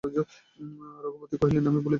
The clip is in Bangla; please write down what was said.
রঘুপতি কহিলেন, আমি বলিতেছি তুমি রাজা হইবে।